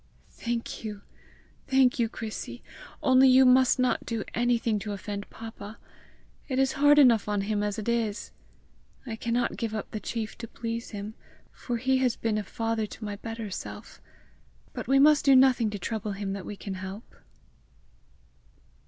"Thank you! thank you, Chrissy! Only you must not do anything to offend papa! It is hard enough on him as it is! I cannot give up the chief to please him, for he has been a father to my better self; but we must do nothing to trouble him that we can help!"